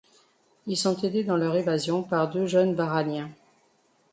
Ils sont aidés dans leur évasion par deux jeunes Varaniens.